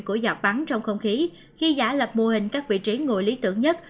của giọt bắn trong không khí khi giả lập mô hình các vị trí ngồi lý tưởng nhất